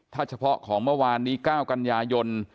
ถ้าเฉพาะของเมื่อวานนี้๙กันยายน